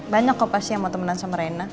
banyak kok pasti yang mau temenan sama rena